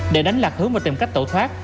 để đánh lạc hướng và tìm cách tổ thoát